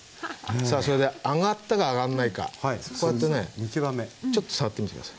さあそれで揚がったか揚がんないかこうやってねちょっと触ってみて下さい。